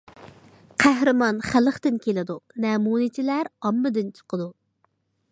قەھرىمان خەلقتىن كېلىدۇ، نەمۇنىچىلار ئاممىدىن چىقىدۇ.